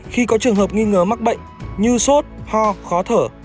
khi có trường hợp nghi ngờ mắc bệnh như sốt ho khó thở